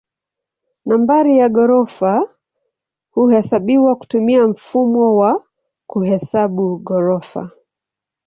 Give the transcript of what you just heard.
Nambari ya ghorofa huhesabiwa kutumia mfumo wa kuhesabu ghorofa.